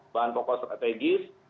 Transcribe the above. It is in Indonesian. bahan pokok strategis